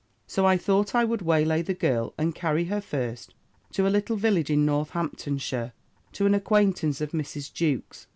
"So I thought I would way lay the girl, and carry her first to a little village in Northamptonshire, to an acquaintance of Mrs. Jewkes's.